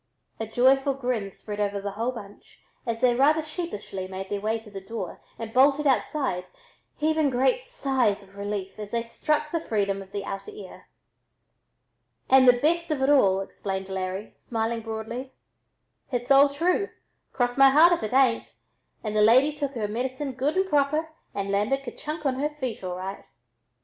A joyful grin spread over the whole bunch as they rather sheepishly made their way to the door and bolted outside, heaving great sighs of relief as they struck the freedom of the outer air. "And the best of it all," explained Larry, smiling broadly; "h'it's all true, cross my heart if it tain't, and the lady took her medicine good and proper and landed kerchunk on her feet all right."